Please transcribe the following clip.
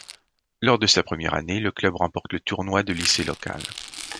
Lors de sa première année, le club remporte le tournoi de lycée local.